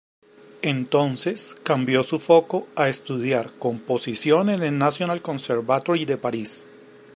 Entonces cambió su foco a estudiar composición en el Nacional Conservatory de París.